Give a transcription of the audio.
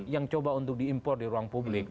yang coba untuk diimpor di ruang publik